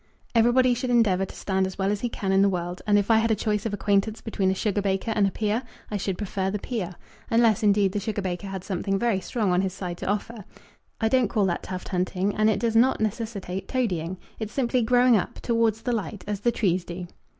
Everybody should endeavour to stand as well as he can in the world, and if I had a choice of acquaintance between a sugar baker and a peer, I should prefer the peer, unless, indeed, the sugar baker had something very strong on his side to offer. I don't call that tuft hunting, and it does not necessitate toadying. It's simply growing up, towards the light, as the trees do."